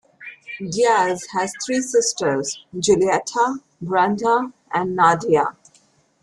Diaz has Three sisters, Julieta, Brenda and Nadia.